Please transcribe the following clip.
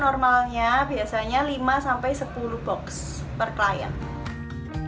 normalnya biasanya lima sampai sepuluh box per klien